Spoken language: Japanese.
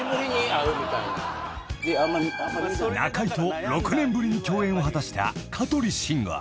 ［中居と６年ぶりに共演を果たした］